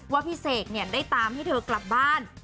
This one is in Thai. ว่าพี่เสกเนี่ยได้ตามให้เธอกลับบ้าน